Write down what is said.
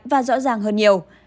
và rõ ràng hơn nhiều